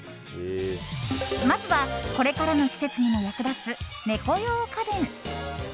まずは、これからの季節にも役立つ猫用家電。